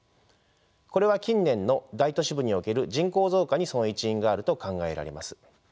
これは近年の大都市部における人口増加にその一因があると考えられます。